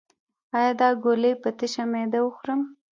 ایا دا ګولۍ په تشه معده وخورم؟